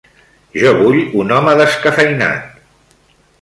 Jo vull un home descafeïnat.